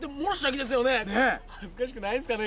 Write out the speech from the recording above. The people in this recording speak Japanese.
恥ずかしくないですかね